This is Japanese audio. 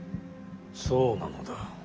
そうなのだ。